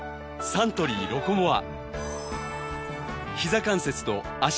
サントリー「ロコモア」